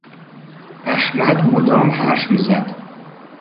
احمد مدام حرف میزد.